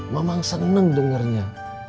mamang seneng dengernya